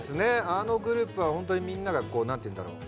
あのグループはホントにみんながこう何て言うんだろう